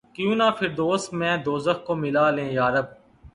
کیوں نہ فردوس میں دوزخ کو ملا لیں یارب!